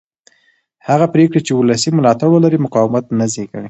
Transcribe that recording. هغه پرېکړې چې ولسي ملاتړ ولري مقاومت نه زېږوي